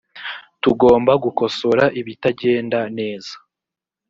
tugomba gukosora ibitagenda neza.